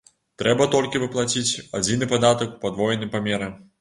Трэба толькі выплаціць адзіны падатак у падвойным памеры.